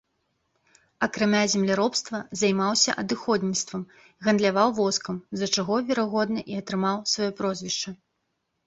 Акрамя земляробства займаўся адыходніцтвам, гандляваў воскам, з-за чаго, верагодна, і атрымаў сваё прозвішча.